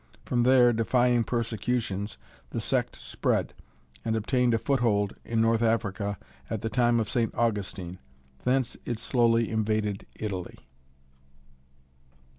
From there, defying persecutions, the sect spread, and obtained a foothold in northern Africa at the time of St. Augustine. Thence it slowly invaded Italy."